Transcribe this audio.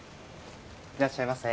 いらっしゃいませ。